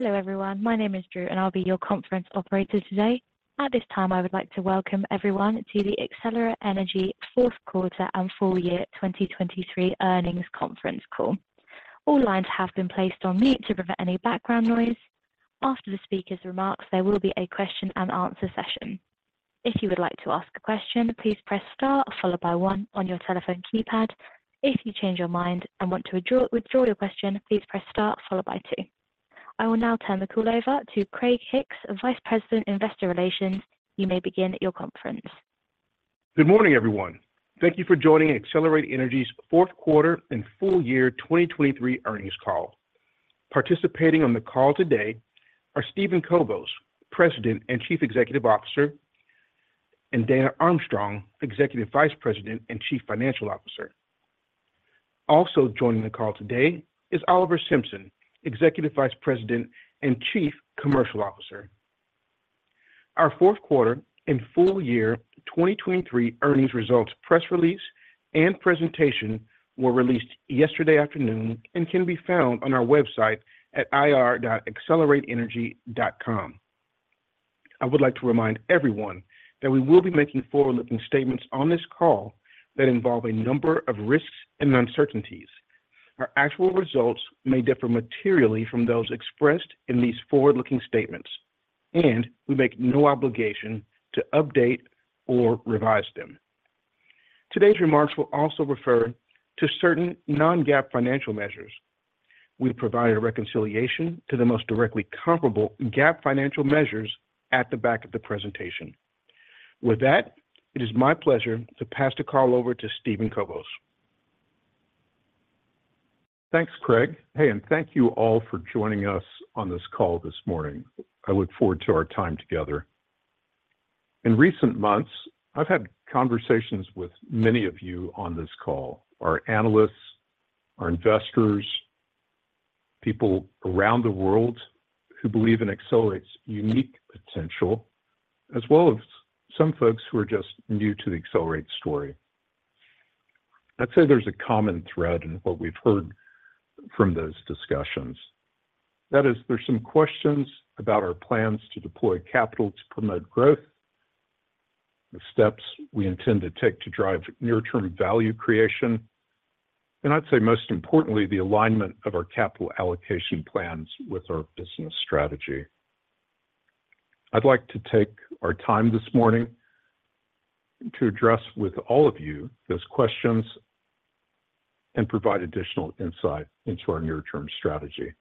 Hello everyone, my name is Drew and I'll be your conference operator today. At this time I would like to welcome everyone to the Excelerate Energy fourth quarter and full year 2023 earnings conference call. All lines have been placed on mute to prevent any background noise. After the speaker's remarks there will be a question and answer session. If you would like to ask a question please press star followed by one on your telephone keypad. If you change your mind and want to withdraw your question please press star followed by two. I will now turn the call over to Craig Hicks, Vice President Investor Relations. You may begin your conference. Good morning everyone. Thank you for joining Excelerate Energy's fourth quarter and full year 2023 earnings call. Participating on the call today are Steven Kobos, President and Chief Executive Officer, and Dana Armstrong, Executive Vice President and Chief Financial Officer. Also joining the call today is Oliver Simpson, Executive Vice President and Chief Commercial Officer. Our fourth quarter and full year 2023 earnings results press release and presentation were released yesterday afternoon and can be found on our website at ir.excelerateenergy.com. I would like to remind everyone that we will be making forward-looking statements on this call that involve a number of risks and uncertainties. Our actual results may differ materially from those expressed in these forward-looking statements, and we make no obligation to update or revise them. Today's remarks will also refer to certain non-GAAP financial measures. We provided a reconciliation to the most directly comparable GAAP financial measures at the back of the presentation. With that, it is my pleasure to pass the call over to Steven Kobos. Thanks, Craig. Hey, and thank you all for joining us on this call this morning. I look forward to our time together. In recent months I've had conversations with many of you on this call, our analysts, our investors, people around the world who believe in Excelerate's unique potential, as well as some folks who are just new to the Excelerate story. I'd say there's a common thread in what we've heard from those discussions. That is, there's some questions about our plans to deploy capital to promote growth, the steps we intend to take to drive near-term value creation, and I'd say most importantly the alignment of our capital allocation plans with our business strategy. I'd like to take our time this morning to address with all of you those questions and provide additional insight into our near-term strategy.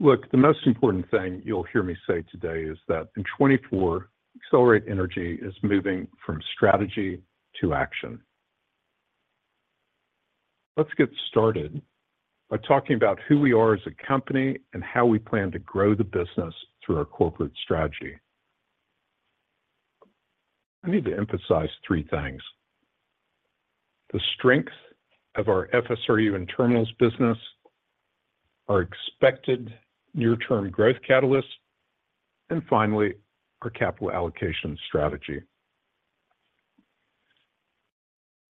Look, the most important thing you'll hear me say today is that in 2024 Excelerate Energy is moving from strategy to action. Let's get started by talking about who we are as a company and how we plan to grow the business through our corporate strategy. I need to emphasize three things: the strength of our FSRU and terminals business, our expected near-term growth catalyst, and finally our capital allocation strategy.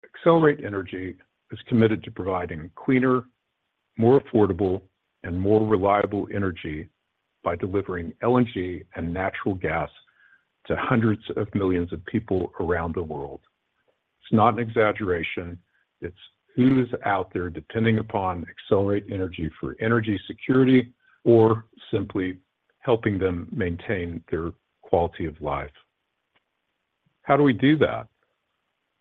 Excelerate Energy is committed to providing cleaner, more affordable, and more reliable energy by delivering LNG and natural gas to hundreds of millions of people around the world. It's not an exaggeration. It's who's out there depending upon Excelerate Energy for energy security or simply helping them maintain their quality of life. How do we do that?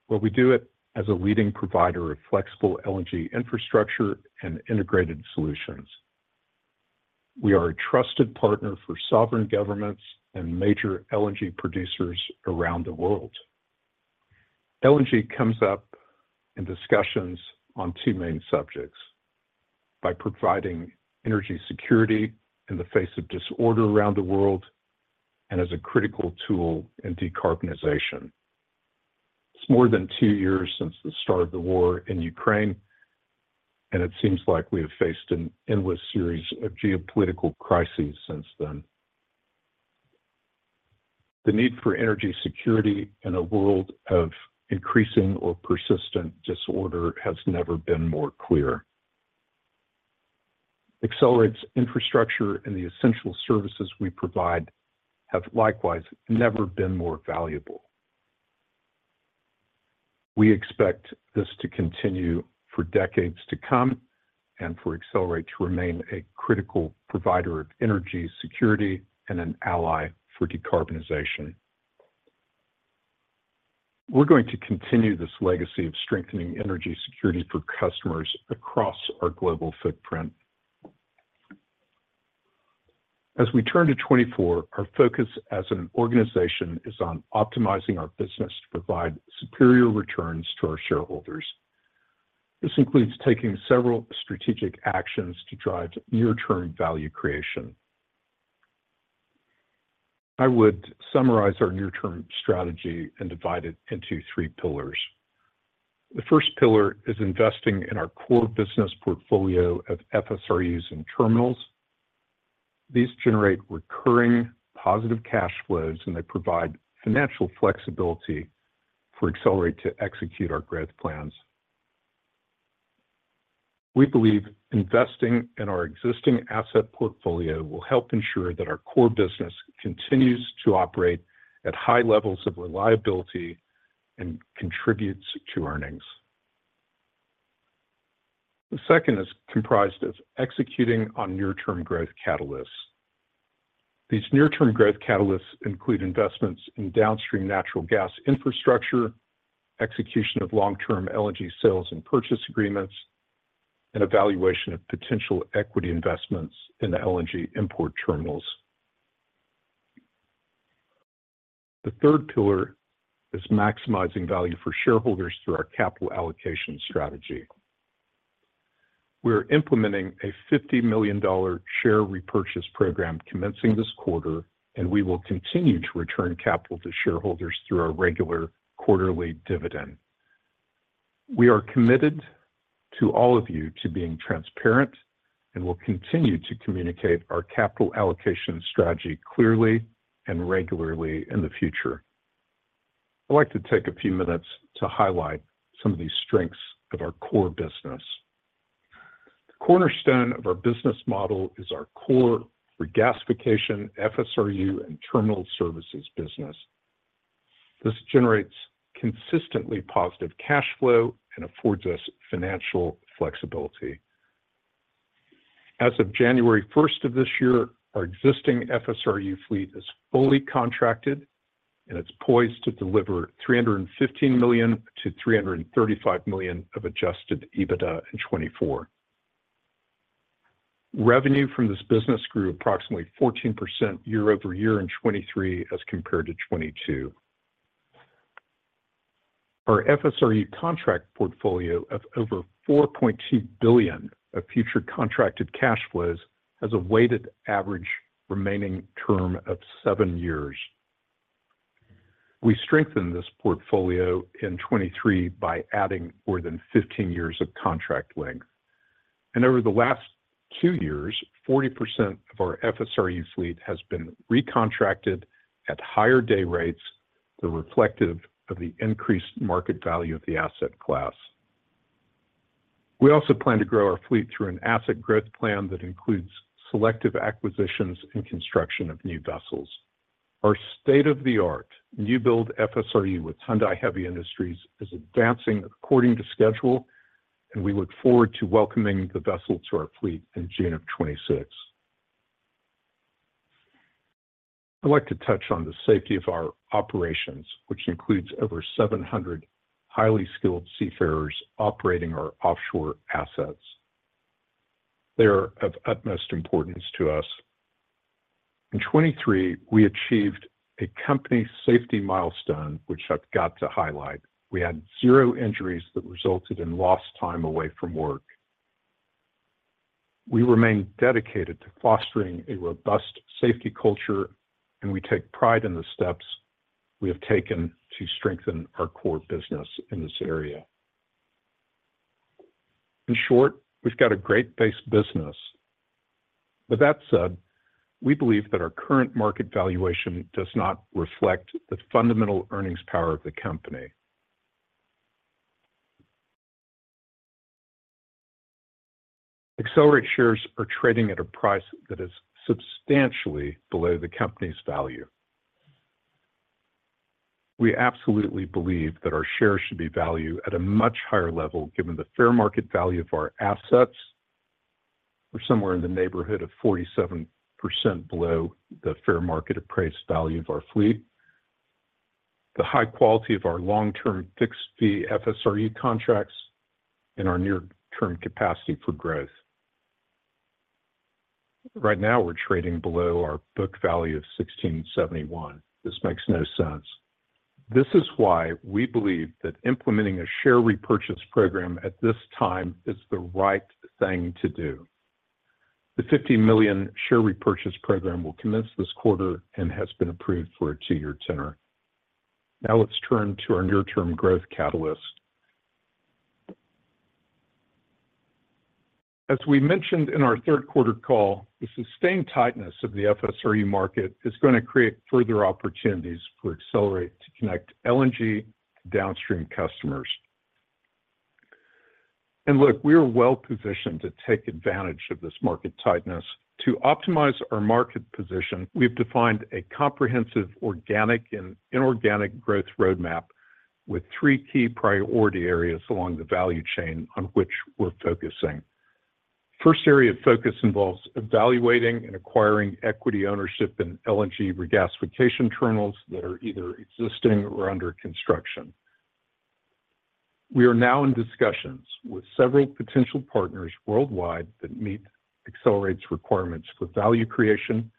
Well, we do it as a leading provider of flexible LNG infrastructure and integrated solutions. We are a trusted partner for sovereign governments and major LNG producers around the world. LNG comes up in discussions on two main subjects: by providing energy security in the face of disorder around the world and as a critical tool in decarbonization. It's more than two years since the start of the war in Ukraine, and it seems like we have faced an endless series of geopolitical crises since then. The need for energy security in a world of increasing or persistent disorder has never been more clear. Excelerate's infrastructure and the essential services we provide have likewise never been more valuable. We expect this to continue for decades to come and for Excelerate to remain a critical provider of energy security and an ally for decarbonization. We're going to continue this legacy of strengthening energy security for customers across our global footprint. As we turn to 2024, our focus as an organization is on optimizing our business to provide superior returns to our shareholders. This includes taking several strategic actions to drive near-term value creation. I would summarize our near-term strategy and divide it into three pillars. The first pillar is investing in our core business portfolio of FSRUs and terminals. These generate recurring positive cash flows, and they provide financial flexibility for Excelerate to execute our growth plans. We believe investing in our existing asset portfolio will help ensure that our core business continues to operate at high levels of reliability and contributes to earnings. The second is comprised of executing on near-term growth catalysts. These near-term growth catalysts include investments in downstream natural gas infrastructure, execution of long-term LNG sales and purchase agreements, and evaluation of potential equity investments in the LNG import terminals. The third pillar is maximizing value for shareholders through our capital allocation strategy. We are implementing a $50 million share repurchase program commencing this quarter, and we will continue to return capital to shareholders through our regular quarterly dividend. We are committed to all of you to being transparent and will continue to communicate our capital allocation strategy clearly and regularly in the future. I'd like to take a few minutes to highlight some of the strengths of our core business. The cornerstone of our business model is our core regasification FSRU and terminal services business. This generates consistently positive cash flow and affords us financial flexibility. As of January 1st of this year, our existing FSRU fleet is fully contracted, and it's poised to deliver $315 million-$335 million of Adjusted EBITDA in 2024. Revenue from this business grew approximately 14% year-over-year in 2023 as compared to 2022. Our FSRU contract portfolio of over $4.2 billion of future contracted cash flows has a weighted average remaining term of seven years. We strengthened this portfolio in 2023 by adding more than 15 years of contract length. Over the last two years, 40% of our FSRU fleet has been recontracted at higher day rates that are reflective of the increased market value of the asset class. We also plan to grow our fleet through an asset growth plan that includes selective acquisitions and construction of new vessels. Our state-of-the-art new build FSRU with Hyundai Heavy Industries is advancing according to schedule, and we look forward to welcoming the vessel to our fleet in June of 2026. I'd like to touch on the safety of our operations, which includes over 700 highly skilled seafarers operating our offshore assets. They are of utmost importance to us. In 2023, we achieved a company safety milestone, which I've got to highlight. We had zero injuries that resulted in lost time away from work. We remain dedicated to fostering a robust safety culture, and we take pride in the steps we have taken to strengthen our core business in this area. In short, we've got a great base business. With that said, we believe that our current market valuation does not reflect the fundamental earnings power of the company. Excelerate shares are trading at a price that is substantially below the company's value. We absolutely believe that our shares should be valued at a much higher level given the fair market value of our assets. We're somewhere in the neighborhood of 47% below the fair market appraised value of our fleet, the high quality of our long-term fixed fee FSRU contracts, and our near-term capacity for growth. Right now, we're trading below our book value of $1,671. This makes no sense. This is why we believe that implementing a share repurchase program at this time is the right thing to do. The $50 million share repurchase program will commence this quarter and has been approved for a two-year tenor. Now let's turn to our near-term growth catalyst. As we mentioned in our third quarter call, the sustained tightness of the FSRU market is going to create further opportunities for Excelerate to connect LNG downstream customers. And look, we are well positioned to take advantage of this market tightness. To optimize our market position, we've defined a comprehensive organic and inorganic growth roadmap with three key priority areas along the value chain on which we're focusing. The first area of focus involves evaluating and acquiring equity ownership in LNG regasification terminals that are either existing or under construction. We are now in discussions with several potential partners worldwide that meet Excelerate's requirements for value creation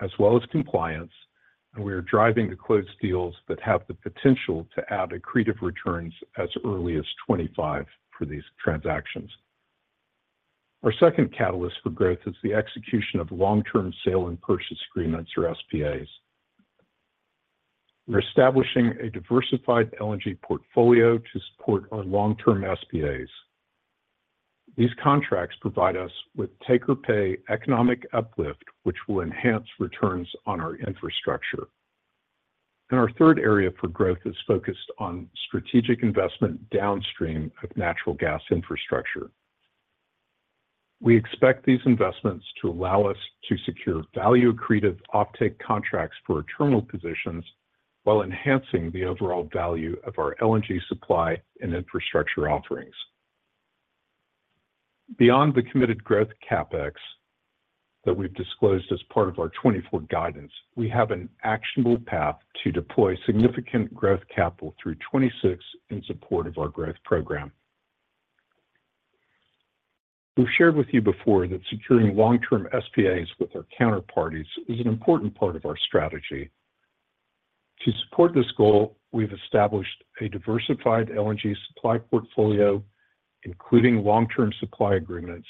as well as compliance, and we are driving to close deals that have the potential to add accretive returns as early as 2025 for these transactions. Our second catalyst for growth is the execution of long-term sale and purchase agreements, or SPAs. We're establishing a diversified LNG portfolio to support our long-term SPAs. These contracts provide us with take-or-pay economic uplift, which will enhance returns on our infrastructure. Our third area for growth is focused on strategic investment downstream of natural gas infrastructure. We expect these investments to allow us to secure value accretive offtake contracts for our terminal positions while enhancing the overall value of our LNG supply and infrastructure offerings. Beyond the committed growth CapEx that we've disclosed as part of our 2024 guidance, we have an actionable path to deploy significant growth capital through 2026 in support of our growth program. We've shared with you before that securing long-term SPAs with our counterparties is an important part of our strategy. To support this goal, we've established a diversified LNG supply portfolio, including long-term supply agreements,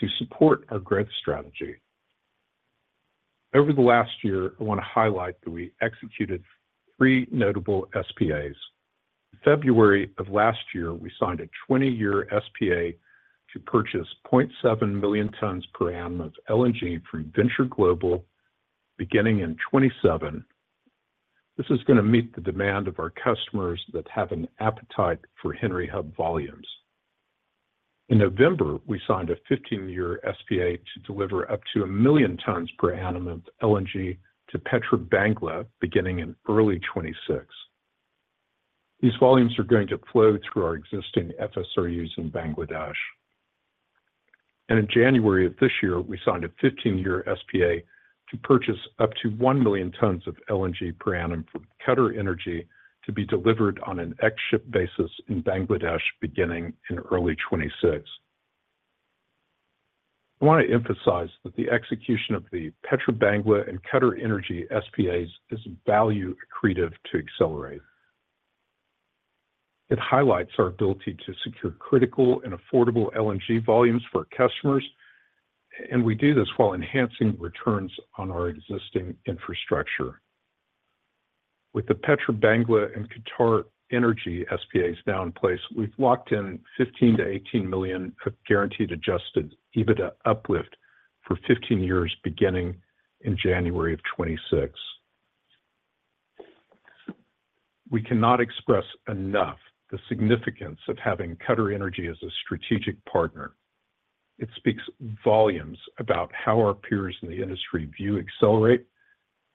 to support our growth strategy. Over the last year, I want to highlight that we executed three notable SPAs. In February of last year, we signed a 20-year SPA to purchase 0.7 million tons per annum of LNG from Venture Global, beginning in 2027. This is going to meet the demand of our customers that have an appetite for Henry Hub volumes. In November, we signed a 15-year SPA to deliver up to 1 million tons per annum of LNG to Petrobangla, beginning in early 2026. These volumes are going to flow through our existing FSRUs in Bangladesh. And in January of this year, we signed a 15-year SPA to purchase up to 1 million tons of LNG per annum from QatarEnergy to be delivered on an ex-ship basis in Bangladesh, beginning in early 2026. I want to emphasize that the execution of the Petrobangla and QatarEnergy SPAs is value accretive to Excelerate. It highlights our ability to secure critical and affordable LNG volumes for our customers, and we do this while enhancing returns on our existing infrastructure. With the Petrobangla and QatarEnergy SPAs now in place, we've locked in $15 million-$18 million of guaranteed Adjusted EBITDA uplift for 15 years, beginning in January 2026. We cannot express enough the significance of having QatarEnergy as a strategic partner. It speaks volumes about how our peers in the industry view Excelerate,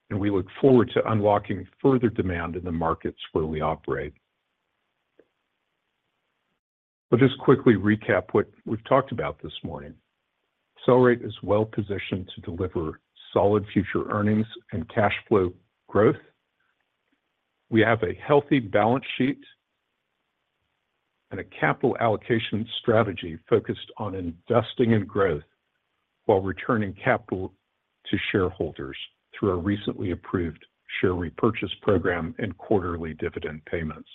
and we look forward to unlocking further demand in the markets where we operate. Let me just quickly recap what we've talked about this morning. Excelerate is well positioned to deliver solid future earnings and cash flow growth. We have a healthy balance sheet and a capital allocation strategy focused on investing in growth while returning capital to shareholders through our recently approved share repurchase program and quarterly dividend payments.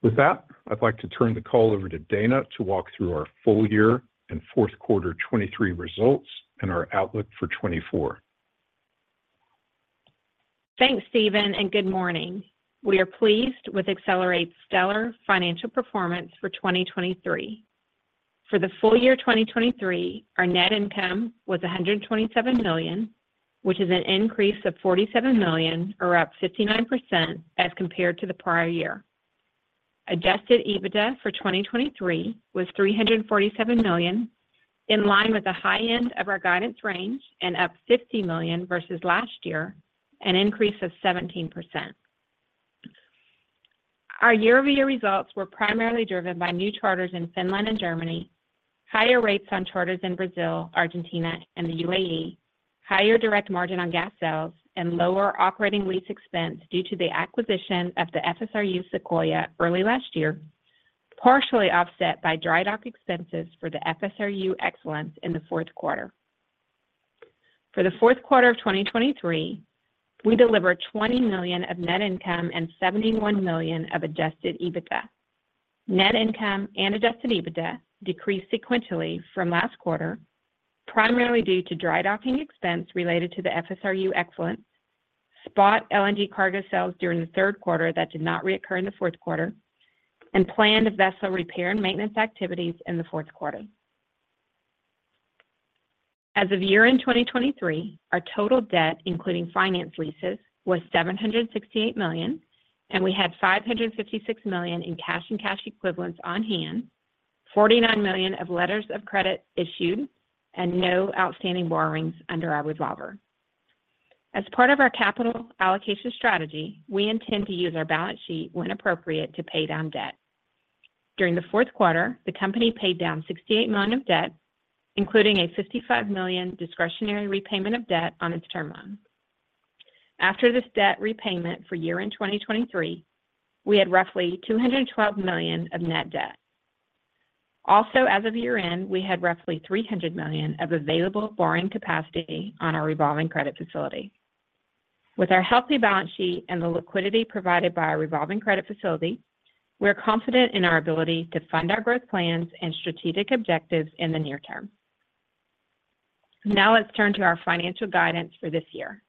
With that, I'd like to turn the call over to Dana to walk through our full year and fourth quarter 2023 results and our outlook for 2024. Thanks, Steven, and good morning. We are pleased with Excelerate's stellar financial performance for 2023. For the full year 2023, our net income was $127 million, which is an increase of $47 million or up 59% as compared to the prior year. Adjusted EBITDA for 2023 was $347 million, in line with the high end of our guidance range and up $50 million versus last year, an increase of 17%. Our year-over-year results were primarily driven by new charters in Finland and Germany, higher rates on charters in Brazil, Argentina, and the UAE, higher direct margin on gas sales, and lower operating lease expense due to the acquisition of the FSRU Sequoia early last year, partially offset by dry dock expenses for the FSRU Excellence in the fourth quarter. For the fourth quarter of 2023, we delivered $20 million of net income and $71 million of adjusted EBITDA. Net income and Adjusted EBITDA decreased sequentially from last quarter, primarily due to dry docking expense related to the FSRU Excellence, spot LNG cargo sales during the third quarter that did not reoccur in the fourth quarter, and planned vessel repair and maintenance activities in the fourth quarter. As of year-end 2023, our total debt, including finance leases, was $768 million, and we had $556 million in cash and cash equivalents on hand, $49 million of letters of credit issued, and no outstanding borrowings under our revolver. As part of our capital allocation strategy, we intend to use our balance sheet when appropriate to pay down debt. During the fourth quarter, the company paid down $68 million of debt, including a $55 million discretionary repayment of debt on its term loan. After this debt repayment for year-end 2023, we had roughly $212 million of net debt. Also, as of year-end, we had roughly $300 million of available borrowing capacity on our revolving credit facility. With our healthy balance sheet and the liquidity provided by our revolving credit facility, we're confident in our ability to fund our growth plans and strategic objectives in the near term. Now let's turn to our financial guidance for this year.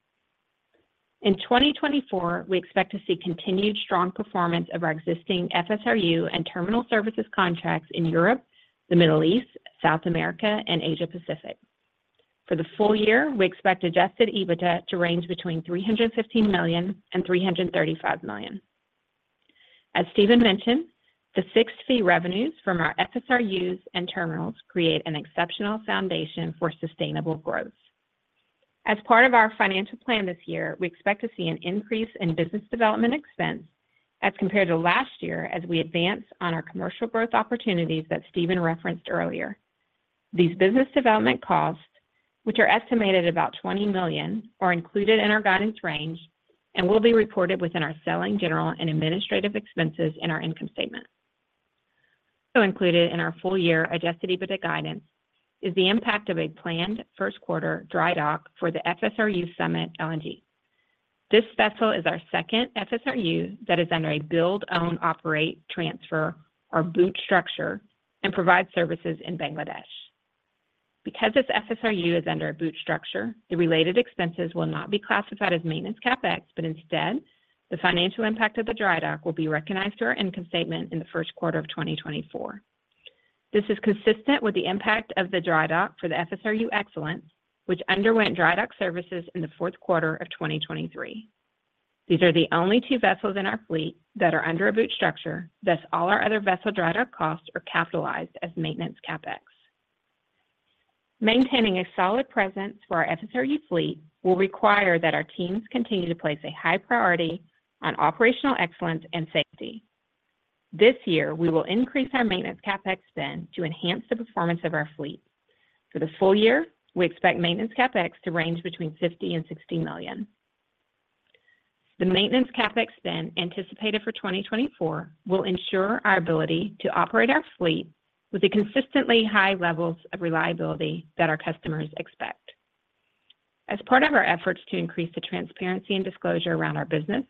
In 2024, we expect to see continued strong performance of our existing FSRU and terminal services contracts in Europe, the Middle East, South America, and Asia Pacific. For the full year, we expect Adjusted EBITDA to range between $315 million and $335 million. As Steven mentioned, the fixed fee revenues from our FSRUs and terminals create an exceptional foundation for sustainable growth. As part of our financial plan this year, we expect to see an increase in business development expense as compared to last year as we advance on our commercial growth opportunities that Steven referenced earlier. These business development costs, which are estimated at about $20 million, are included in our guidance range and will be reported within our selling general and administrative expenses in our income statement. Included in our full year Adjusted EBITDA guidance is the impact of a planned first quarter dry dock for the FSRU Summit LNG. This vessel is our second FSRU that is under a build-own-operate-transfer or BOOT structure and provides services in Bangladesh. Because this FSRU is under a BOOT structure, the related expenses will not be classified as maintenance CapEx, but instead, the financial impact of the dry dock will be recognized through our income statement in the first quarter of 2024. This is consistent with the impact of the dry dock for the FSRU Excellence, which underwent dry dock services in the fourth quarter of 2023. These are the only two vessels in our fleet that are under a BOOT structure. Thus, all our other vessel dry dock costs are capitalized as maintenance CapEx. Maintaining a solid presence for our FSRU fleet will require that our teams continue to place a high priority on operational excellence and safety. This year, we will increase our maintenance CapEx spend to enhance the performance of our fleet. For the full year, we expect maintenance CapEx to range between $50 million-$60 million. The maintenance CapEx spend anticipated for 2024 will ensure our ability to operate our fleet with consistently high levels of reliability that our customers expect. As part of our efforts to increase the transparency and disclosure around our business,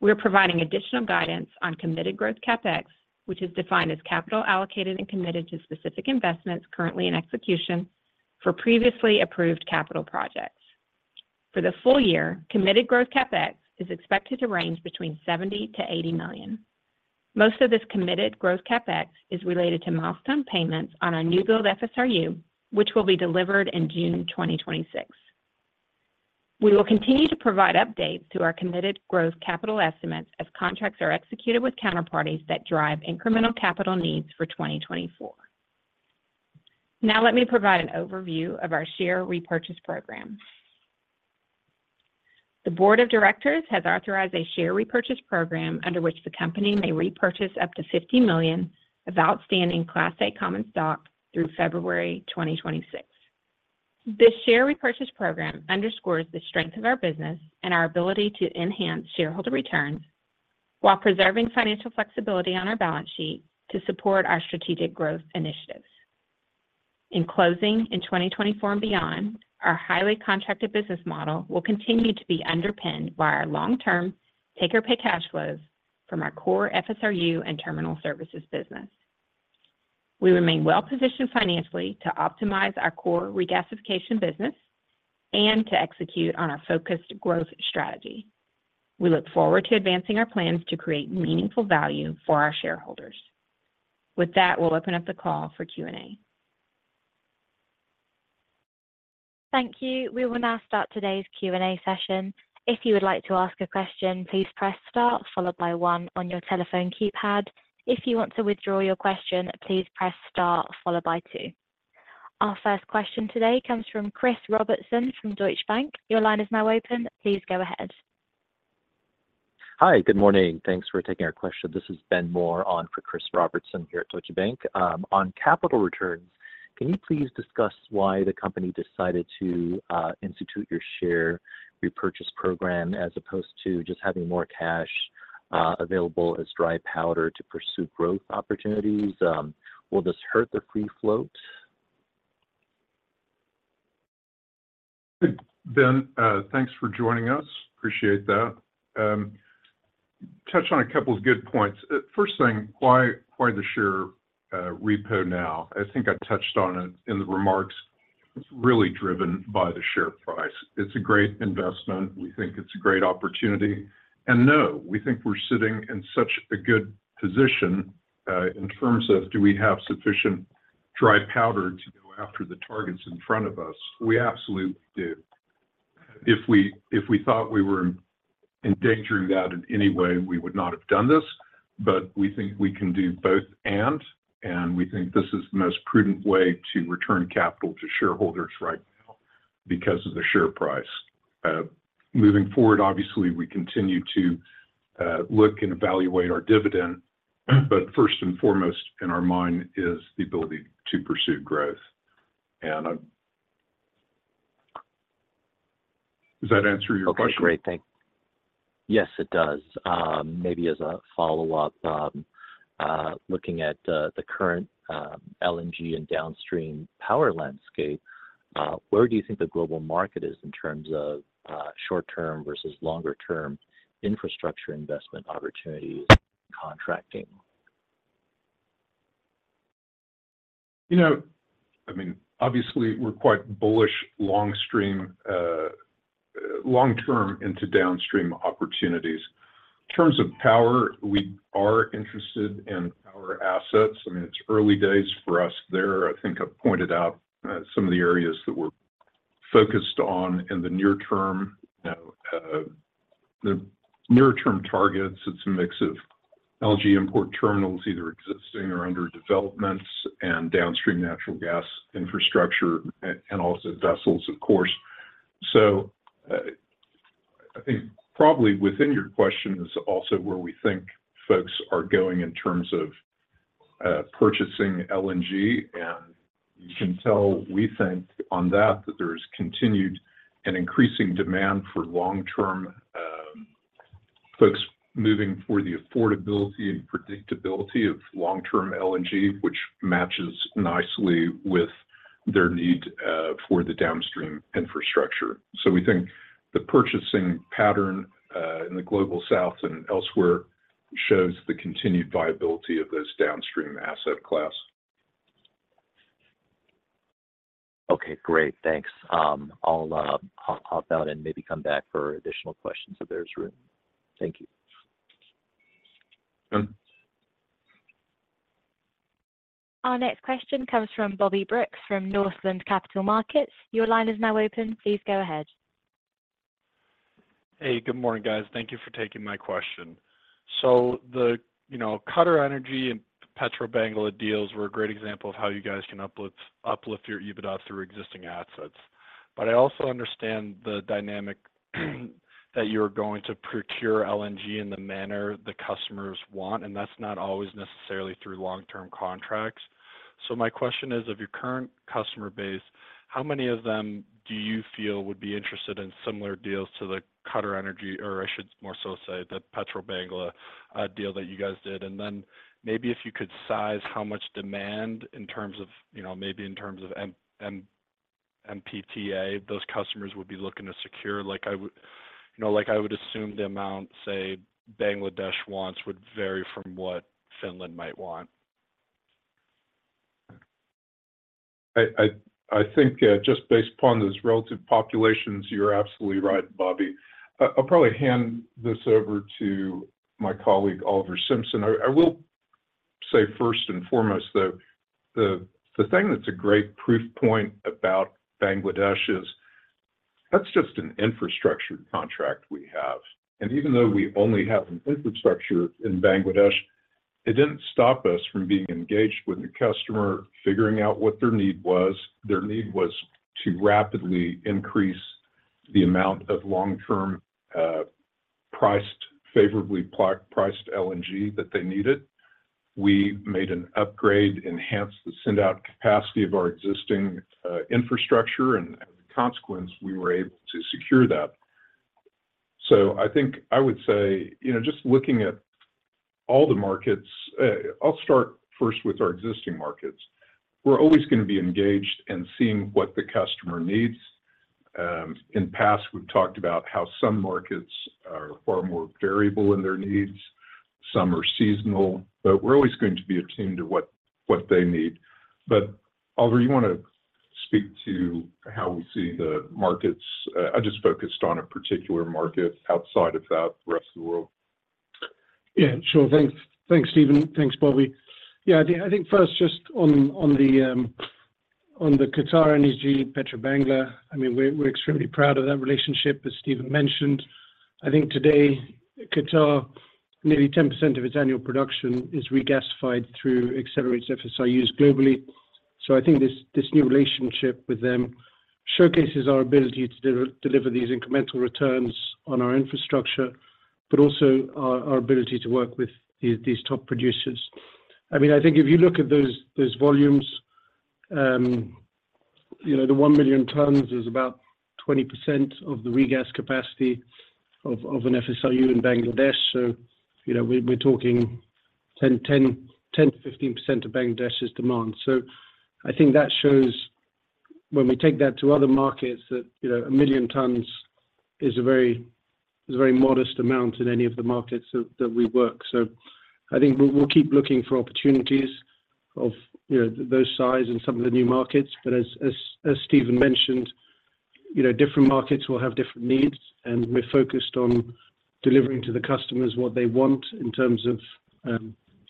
we are providing additional guidance on committed growth CapEx, which is defined as capital allocated and committed to specific investments currently in execution for previously approved capital projects. For the full year, committed growth CapEx is expected to range between $70 million-$80 million. Most of this committed growth CapEx is related to milestone payments on our new-built FSRU, which will be delivered in June 2026. We will continue to provide updates to our committed growth capital estimates as contracts are executed with counterparties that drive incremental capital needs for 2024. Now let me provide an overview of our share repurchase program. The board of directors has authorized a share repurchase program under which the company may repurchase up to 50 million of outstanding Class A common stock through February 2026. This share repurchase program underscores the strength of our business and our ability to enhance shareholder returns while preserving financial flexibility on our balance sheet to support our strategic growth initiatives. In closing in 2024 and beyond, our highly contracted business model will continue to be underpinned by our long-term take-or-pay cash flows from our core FSRU and terminal services business. We remain well positioned financially to optimize our core regasification business and to execute on our focused growth strategy. We look forward to advancing our plans to create meaningful value for our shareholders. With that, we'll open up the call for Q&A. Thank you. We will now start today's Q&A session. If you would like to ask a question, please press star followed by one on your telephone keypad. If you want to withdraw your question, please press star followed by two. Our first question today comes from Chris Robertson from Deutsche Bank. Your line is now open. Please go ahead. Hi, good morning. Thanks for taking our question. This is Ben Moore on for Chris Robertson here at Deutsche Bank. On capital returns, can you please discuss why the company decided to institute your share repurchase program as opposed to just having more cash available as dry powder to pursue growth opportunities? Will this hurt the free float? Good, Ben. Thanks for joining us. Appreciate that. Touch on a couple of good points. First thing, why the share repo now? I think I touched on it in the remarks. It's really driven by the share price. It's a great investment. We think it's a great opportunity. And no, we think we're sitting in such a good position in terms of do we have sufficient dry powder to go after the targets in front of us? We absolutely do. If we thought we were endangering that in any way, we would not have done this. But we think we can do both and, and we think this is the most prudent way to return capital to shareholders right now because of the share price. Moving forward, obviously, we continue to look and evaluate our dividend, but first and foremost in our mind is the ability to pursue growth. Does that answer your question? Okay, great. Thanks. Yes, it does. Maybe as a follow-up, looking at the current LNG and downstream power landscape, where do you think the global market is in terms of short-term versus longer-term infrastructure investment opportunities and contracting? I mean, obviously, we're quite bullish long-term into downstream opportunities. In terms of power, we are interested in power assets. I mean, it's early days for us there. I think I've pointed out some of the areas that we're focused on in the near-term targets. It's a mix of LNG import terminals, either existing or under development, and downstream natural gas infrastructure and also vessels, of course. So I think probably within your question is also where we think folks are going in terms of purchasing LNG. And you can tell we think on that that there is continued and increasing demand for long-term folks moving for the affordability and predictability of long-term LNG, which matches nicely with their need for the downstream infrastructure. So we think the purchasing pattern in the Global South and elsewhere shows the continued viability of those downstream asset class. Okay, great. Thanks. I'll hop out and maybe come back for additional questions if there's room. Thank you. Our next question comes from Bobby Brooks from Northland Capital Markets. Your line is now open. Please go ahead. Hey, good morning, guys. Thank you for taking my question. So the New Fortress Energy and Petrobangla deals were a great example of how you guys can uplift your EBITDA through existing assets. But I also understand the dynamic that you're going to procure LNG in the manner the customers want, and that's not always necessarily through long-term contracts. So my question is, of your current customer base, how many of them do you feel would be interested in similar deals to the New Fortress Energy or I should more so say the Petrobangla deal that you guys did? And then maybe if you could size how much demand in terms of maybe in terms of MTPA those customers would be looking to secure, like I would assume the amount, say, Bangladesh wants would vary from what Finland might want. I think just based upon those relative populations, you're absolutely right, Bobby. I'll probably hand this over to my colleague Oliver Simpson. I will say first and foremost, though, the thing that's a great proof point about Bangladesh is that's just an infrastructure contract we have. Even though we only have an infrastructure in Bangladesh, it didn't stop us from being engaged with the customer, figuring out what their need was. Their need was to rapidly increase the amount of long-term priced, favorably priced LNG that they needed. We made an upgrade, enhanced the send-out capacity of our existing infrastructure, and as a consequence, we were able to secure that. I think I would say just looking at all the markets I'll start first with our existing markets. We're always going to be engaged and seeing what the customer needs. In the past, we've talked about how some markets are far more variable in their needs. Some are seasonal. But we're always going to be attuned to what they need. But Oliver, you want to speak to how we see the markets? I just focused on a particular market outside of that, the rest of the world. Yeah, sure. Thanks, Steven. Thanks, Bobby. Yeah, I think first, just on the QatarEnergy, Petrobangla, I mean, we're extremely proud of that relationship, as Steven mentioned. I think today, QatarEnergy, nearly 10% of its annual production is regasified through Excelerate FSRUs globally. So I think this new relationship with them showcases our ability to deliver these incremental returns on our infrastructure, but also our ability to work with these top producers. I mean, I think if you look at those volumes, the 1 million tons is about 20% of the regas capacity of an FSRU in Bangladesh. So we're talking 10%-15% of Bangladesh's demand. So I think that shows when we take that to other markets that a million tons is a very modest amount in any of the markets that we work. I think we'll keep looking for opportunities of those sizes in some of the new markets. As Steven mentioned, different markets will have different needs. We're focused on delivering to the customers what they want in terms of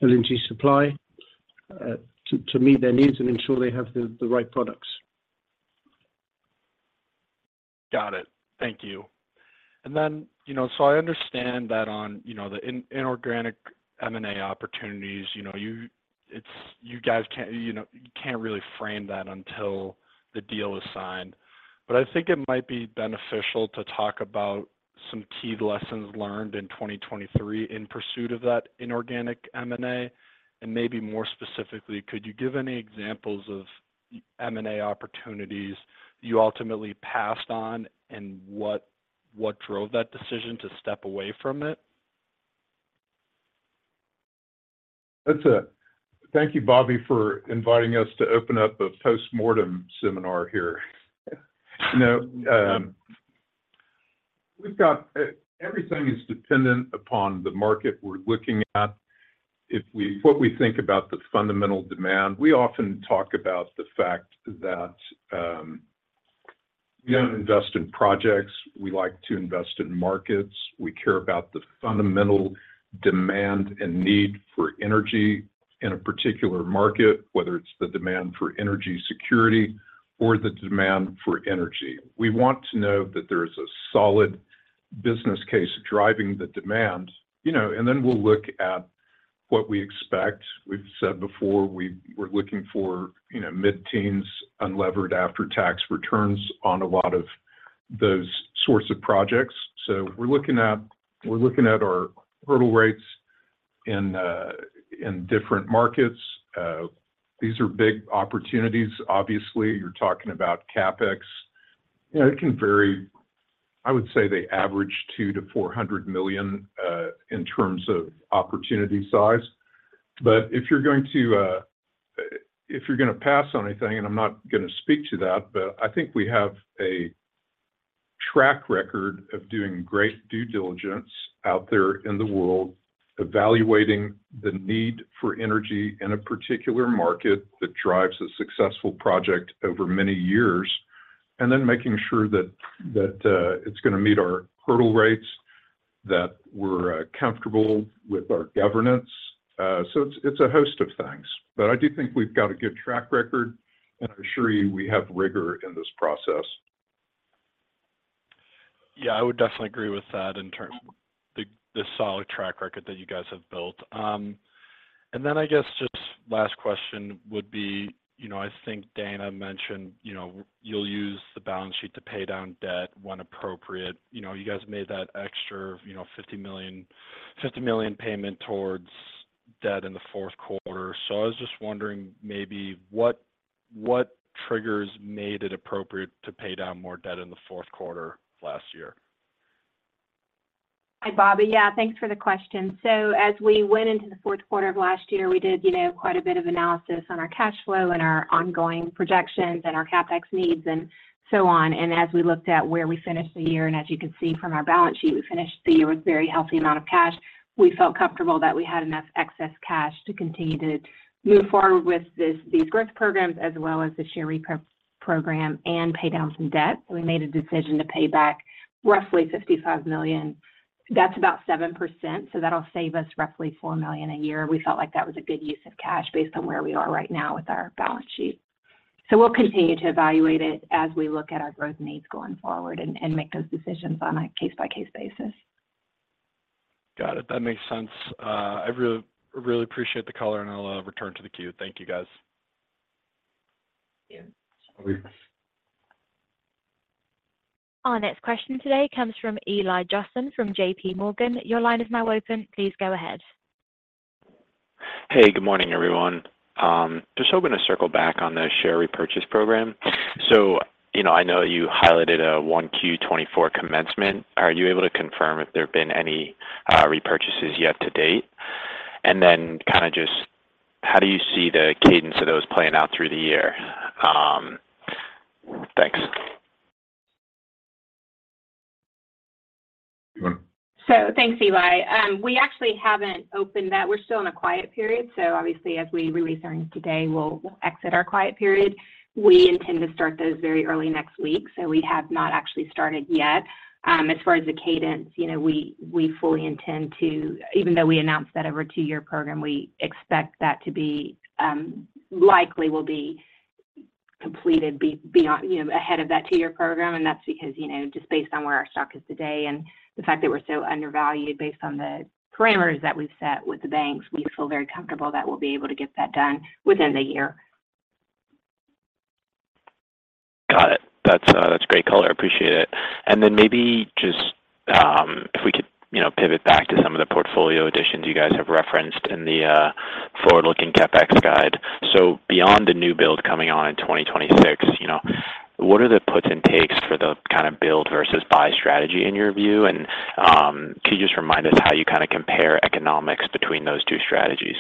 LNG supply to meet their needs and ensure they have the right products. Got it. Thank you. And then so I understand that on the inorganic M&A opportunities, you guys can't really frame that until the deal is signed. But I think it might be beneficial to talk about some key lessons learned in 2023 in pursuit of that inorganic M&A. And maybe more specifically, could you give any examples of M&A opportunities you ultimately passed on and what drove that decision to step away from it? Thank you, Bobby, for inviting us to open up a postmortem seminar here. Everything is dependent upon the market we're looking at. What we think about the fundamental demand, we often talk about the fact that we don't invest in projects. We like to invest in markets. We care about the fundamental demand and need for energy in a particular market, whether it's the demand for energy security or the demand for energy. We want to know that there is a solid business case driving the demand. And then we'll look at what we expect. We've said before, we're looking for mid-teens unlevered after-tax returns on a lot of those sorts of projects. So we're looking at our hurdle rates in different markets. These are big opportunities, obviously. You're talking about CapEx. It can vary. I would say they average $2 million-$400 million in terms of opportunity size. But if you're going to pass on anything and I'm not going to speak to that, but I think we have a track record of doing great due diligence out there in the world, evaluating the need for energy in a particular market that drives a successful project over many years, and then making sure that it's going to meet our hurdle rates, that we're comfortable with our governance. So it's a host of things. But I do think we've got a good track record, and I assure you we have rigor in this process. Yeah, I would definitely agree with that, the solid track record that you guys have built. And then I guess just last question would be, I think Dana mentioned you'll use the balance sheet to pay down debt when appropriate. You guys made that extra $50 million payment towards debt in the fourth quarter. So I was just wondering maybe what triggers made it appropriate to pay down more debt in the fourth quarter last year? Hi, Bobby. Yeah, thanks for the question. So as we went into the fourth quarter of last year, we did quite a bit of analysis on our cash flow and our ongoing projections and our CapEx needs and so on. And as we looked at where we finished the year, and as you can see from our balance sheet, we finished the year with a very healthy amount of cash. We felt comfortable that we had enough excess cash to continue to move forward with these growth programs as well as the share repo program and pay down some debt. So we made a decision to pay back roughly $55 million. That's about 7%. So that'll save us roughly $4 million a year. We felt like that was a good use of cash based on where we are right now with our balance sheet. We'll continue to evaluate it as we look at our growth needs going forward and make those decisions on a case-by-case basis. Got it. That makes sense. I really appreciate the call, and I'll return to the queue. Thank you, guys. Thank you. Our next question today comes from Eli Jossen from JPMorgan. Your line is now open. Please go ahead. Hey, good morning, everyone. Just hoping to circle back on the share repurchase program. I know you highlighted a Q1 2024 commencement. Are you able to confirm if there have been any repurchases yet to date? And then kind of just how do you see the cadence of those playing out through the year? Thanks. So thanks, Eli. We actually haven't opened that. We're still in a quiet period. So obviously, as we release earnings today, we'll exit our quiet period. We intend to start those very early next week. So we have not actually started yet. As far as the cadence, we fully intend to even though we announced that over a two-year program, we expect that to be likely will be completed ahead of that two-year program. And that's because just based on where our stock is today and the fact that we're so undervalued based on the parameters that we've set with the banks, we feel very comfortable that we'll be able to get that done within the year. Got it. That's great color. I appreciate it. Then maybe just if we could pivot back to some of the portfolio additions you guys have referenced in the forward-looking CapEx guide. So beyond the new build coming on in 2026, what are the puts and takes for the kind of build versus buy strategy in your view? And could you just remind us how you kind of compare economics between those two strategies?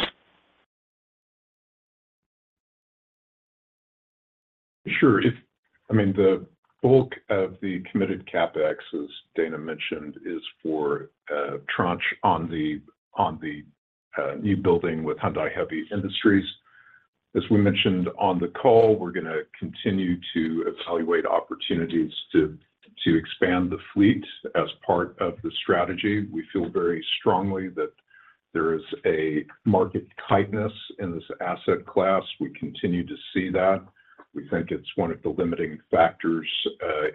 Sure. I mean, the bulk of the committed CapEx, as Dana mentioned, is for tranche on the new building with Hyundai Heavy Industries. As we mentioned on the call, we're going to continue to evaluate opportunities to expand the fleet as part of the strategy. We feel very strongly that there is a market tightness in this asset class. We continue to see that. We think it's one of the limiting factors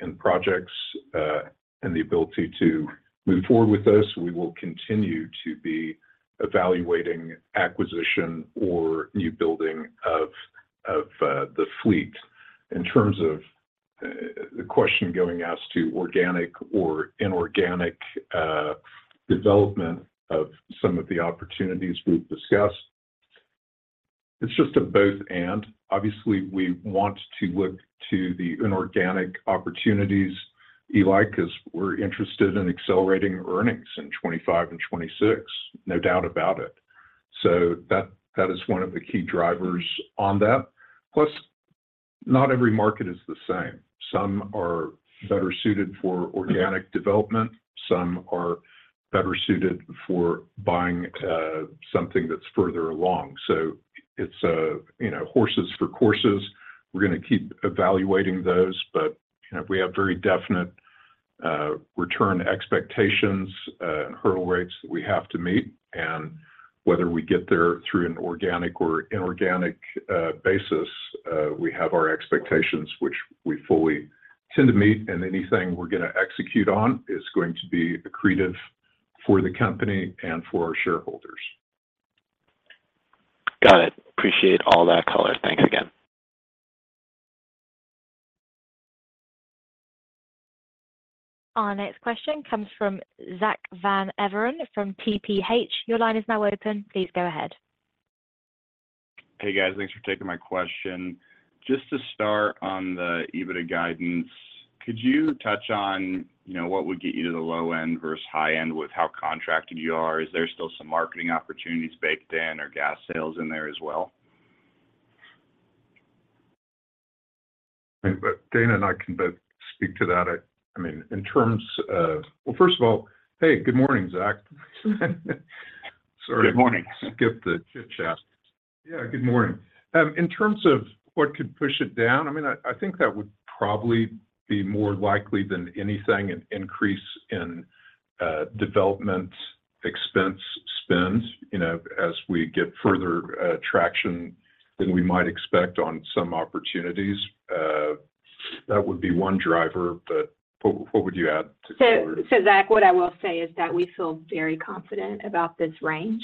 in projects and the ability to move forward with this. We will continue to be evaluating acquisition or new building of the fleet. In terms of the question going asked to organic or inorganic development of some of the opportunities we've discussed, it's just a both-and. Obviously, we want to look to the inorganic opportunities, Eli, because we're interested in accelerating earnings in 2025 and 2026, no doubt about it. So that is one of the key drivers on that. Plus, not every market is the same. Some are better suited for organic development. Some are better suited for buying something that's further along. So it's horses for courses. We're going to keep evaluating those. But we have very definite return expectations and hurdle rates that we have to meet. And whether we get there through an organic or inorganic basis, we have our expectations, which we fully tend to meet. And anything we're going to execute on is going to be accretive for the company and for our shareholders. Got it. Appreciate all that color. Thanks again. Our next question comes from Zack Van Everen from TPH. Your line is now open. Please go ahead. Hey, guys. Thanks for taking my question. Just to start on the EBITDA guidance, could you touch on what would get you to the low end versus high end with how contracted you are? Is there still some marketing opportunities baked in or gas sales in there as well? Dana and I can both speak to that. I mean, in terms of well, first of all, hey, good morning, Zach. Sorry to skip the chit-chat. Yeah, good morning. In terms of what could push it down, I mean, I think that would probably be more likely than anything, an increase in development expense spend as we get further traction than we might expect on some opportunities. That would be one driver. But what would you add to that? So Zach, what I will say is that we feel very confident about this range.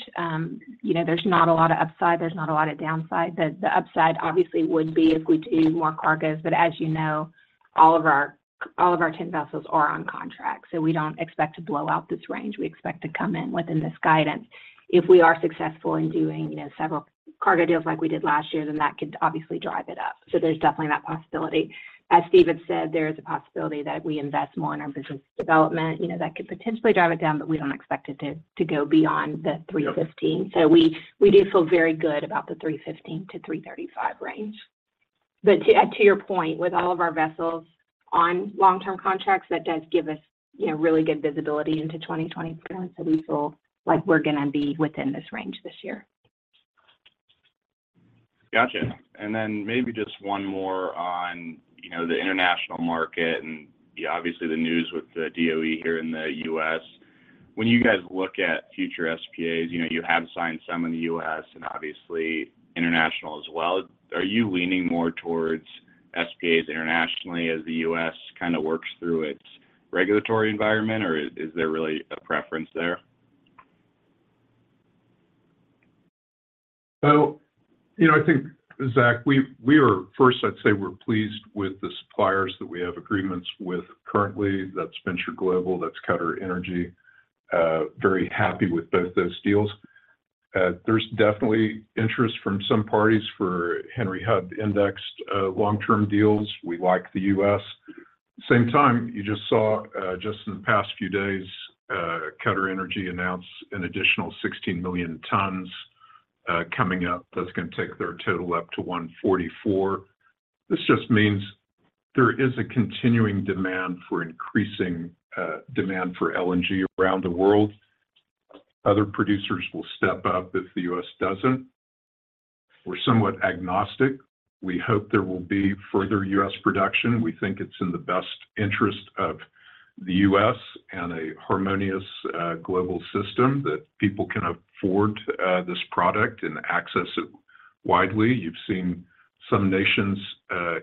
There's not a lot of upside. There's not a lot of downside. The upside, obviously, would be if we do more cargos. But as you know, all of our 10 vessels are on contract. So we don't expect to blow out this range. We expect to come in within this guidance. If we are successful in doing several cargo deals like we did last year, then that could obviously drive it up. So there's definitely that possibility. As Steven said, there is a possibility that we invest more in our business development. That could potentially drive it down, but we don't expect it to go beyond the $315 million. So we do feel very good about the $315 million-$335 million range. To your point, with all of our vessels on long-term contracts, that does give us really good visibility into 2024. We feel like we're going to be within this range this year. Gotcha. Then maybe just one more on the international market and obviously, the news with the DOE here in the U.S. When you guys look at future SPAs, you have signed some in the U.S. and obviously, international as well. Are you leaning more towards SPAs internationally as the U.S. kind of works through its regulatory environment, or is there really a preference there? So I think, Zach, first, I'd say we're pleased with the suppliers that we have agreements with currently. That's Venture Global. That's QatarEnergy. Very happy with both those deals. There's definitely interest from some parties for Henry Hub indexed long-term deals. We like the U.S. Same time, you just saw just in the past few days, QatarEnergy announced an additional 16 million tons coming up that's going to take their total up to 144 million tons. This just means there is a continuing demand for increasing demand for LNG around the world. Other producers will step up if the U.S. doesn't. We're somewhat agnostic. We hope there will be further U.S. production. We think it's in the best interest of the U.S. and a harmonious global system that people can afford this product and access it widely. You've seen some nations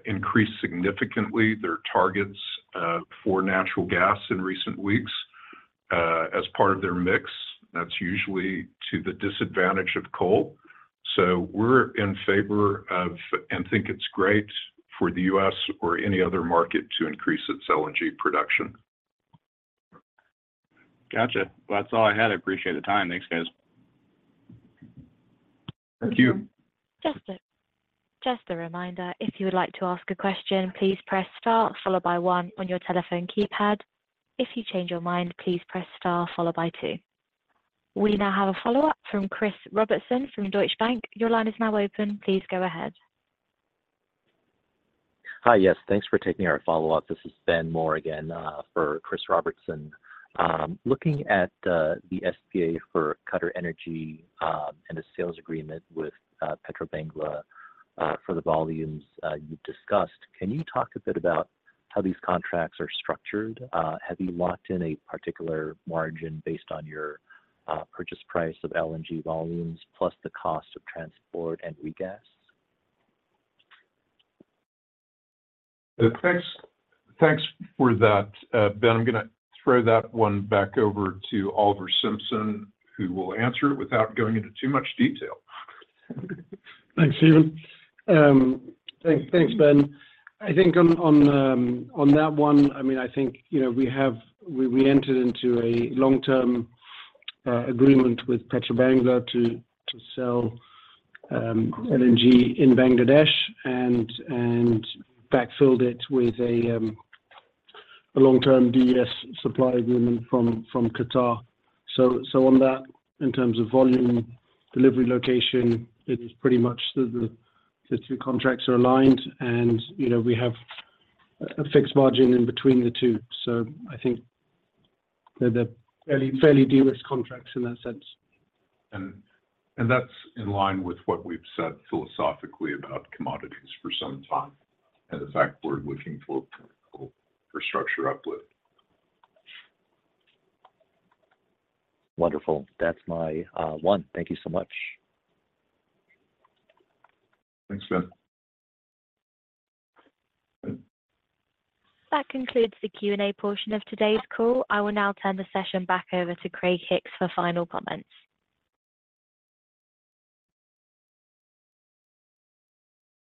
increase significantly their targets for natural gas in recent weeks as part of their mix. That's usually to the disadvantage of coal. So we're in favor of and think it's great for the U.S. or any other market to increase its LNG production. Gotcha. Well, that's all I had. I appreciate the time. Thanks, guys. Thank you. Just a reminder, if you would like to ask a question, please press star followed by one on your telephone keypad. If you change your mind, please press star followed by two. We now have a follow-up from Chris Robertson from Deutsche Bank. Your line is now open. Please go ahead. Hi. Yes. Thanks for taking our follow-up. This is Ben Moore again for Chris Robertson. Looking at the SPA for QatarEnergy and the sales agreement with Petrobangla for the volumes you've discussed, can you talk a bit about how these contracts are structured? Have you locked in a particular margin based on your purchase price of LNG volumes plus the cost of transport and regas? Thanks for that, Ben. I'm going to throw that one back over to Oliver Simpson, who will answer it without going into too much detail. Thanks, Steven. Thanks, Ben. I think on that one, I mean, I think we entered into a long-term agreement with Petrobangla to sell LNG in Bangladesh and backfilled it with a long-term DES supply agreement from Qatar. So on that, in terms of volume, delivery location, it is pretty much the two contracts are aligned, and we have a fixed margin in between the two. So I think they're fairly riskless contracts in that sense. That's in line with what we've said philosophically about commodities for some time and the fact we're looking for a structure uplift. Wonderful. That's my one. Thank you so much. Thanks, Ben. That concludes the Q&A portion of today's call. I will now turn the session back over to Craig Hicks for final comments.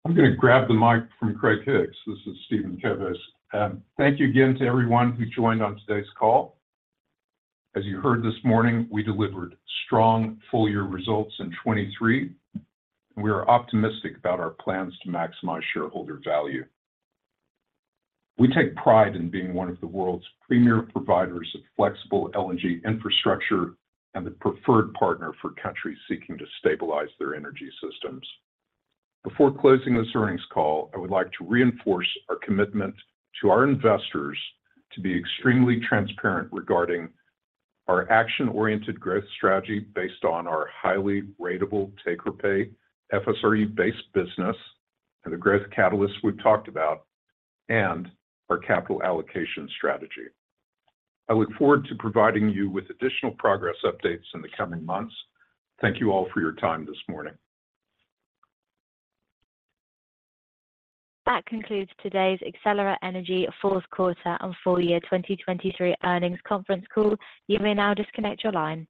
I'm going to grab the mic from Craig Hicks. This is Steven Kobos. Thank you again to everyone who joined on today's call. As you heard this morning, we delivered strong, full-year results in 2023, and we are optimistic about our plans to maximize shareholder value. We take pride in being one of the world's premier providers of flexible LNG infrastructure and the preferred partner for countries seeking to stabilize their energy systems. Before closing this earnings call, I would like to reinforce our commitment to our investors to be extremely transparent regarding our action-oriented growth strategy based on our highly ratable take-or-pay, FSRU-based business and the growth catalysts we've talked about, and our capital allocation strategy. I look forward to providing you with additional progress updates in the coming months. Thank you all for your time this morning. That concludes today's Excelerate Energy fourth quarter and full-year 2023 earnings conference call. You may now disconnect your line.